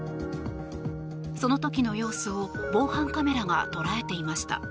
その時の様子を防犯カメラが捉えていました。